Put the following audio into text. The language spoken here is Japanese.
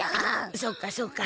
そうかそうか。